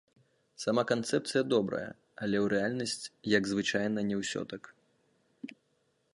Сама канцэпцыя добрая, але ў рэальнасць як звычайна не ўсё так.